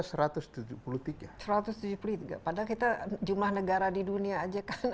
padahal kita jumlah negara di dunia aja kan